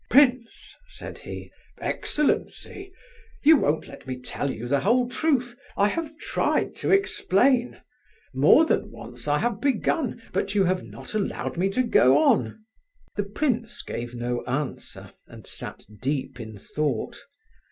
"Prince!" said he. "Excellency! You won't let me tell you the whole truth; I have tried to explain; more than once I have begun, but you have not allowed me to go on..." The prince gave no answer, and sat deep in thought.